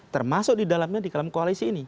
termasuk di dalamnya di dalam koalisi ini